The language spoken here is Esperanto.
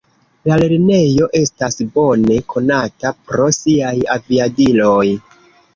La lernejo estas bone konata pro siaj aviadiloj.